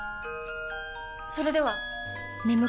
それでは！